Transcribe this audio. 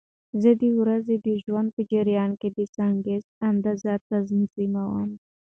زه د ورځني ژوند په جریان کې د سنکس اندازه تنظیموم.